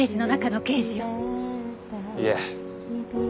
いえ。